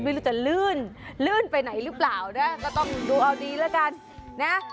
ไม่รู้จะลื่นลื่นไปไหนหรือเปล่านะก็ต้องดูเอาดีแล้วกันนะ